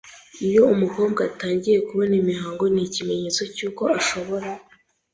Iyo umukobwa atangiye kubona imihango ni ikimenyetso cy uko ashobora